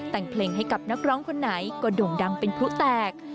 แต่งเพลงให้กับนักร้องคนไหนก็โด่งดังเป็นพลุแตก